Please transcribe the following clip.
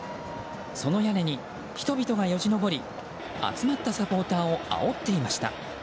その屋根に人々がよじ登り集まったサポーターをあおっていました。